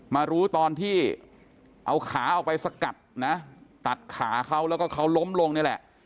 มารู้ตอนที่เอาขาออกไปสกัดนะตัดขาเขาแล้วก็เขาล้มลงนี่แหละ